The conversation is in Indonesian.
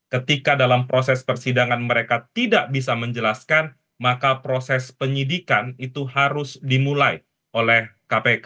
ketika dalam proses persidangan mereka tidak bisa menjelaskan maka proses penyidikan itu harus dimulai oleh kpk